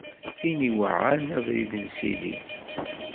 Tin iweɛɛan abrid n Sidi.